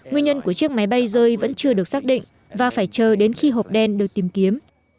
nguyên nhân của chiếc máy bay rơi vẫn chưa được xác định và phải chờ đến khi hộp đen được tìm kiếm